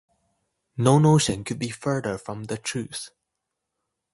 No notion could be further from the truth.